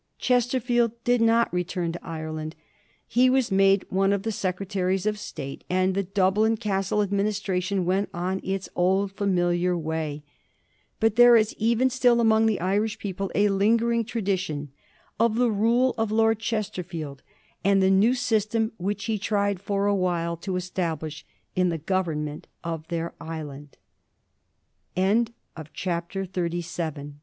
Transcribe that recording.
Chesterfield did not return to Ireland. He was made one of the Sec retaries of State, and the Dublin Castle administration went on its old familiar way. But there is even still among the Irish people a lingering tradition of the rule of Lord Chesterfield, and of the new system which he tried for a while to establi